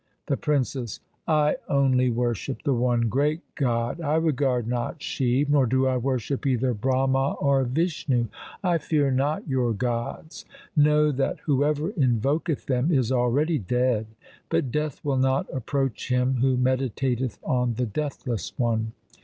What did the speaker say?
The Princess I only worship the one great God. I regard not Shiv. Nor do I worship either Brahma or Vishnu. I fear not LIFE OF GURU GOBIND SINGH 77 your gods. Know that whoever invoketh them is already dead, but death will not approach him who meditateth on the Deathless One.